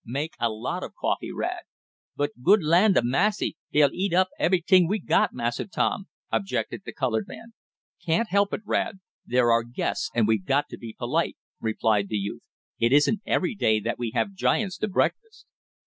Make a lot of coffee, Rad." "But good land a massy, dey'll eat up eberyt'ing we got, Massa Tom," objected the colored man. "Can't help it, Rad. They're our guests and we've got to be polite," replied the youth. "It isn't every day that we have giants to breakfast."